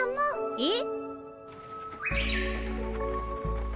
えっ？